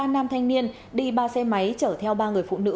ba nam thanh niên đi ba xe máy chở theo ba người phụ nữ